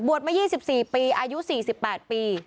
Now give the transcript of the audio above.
มา๒๔ปีอายุ๔๘ปี